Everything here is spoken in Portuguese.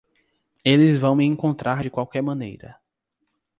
Eles vão me encontrar de qualquer maneira.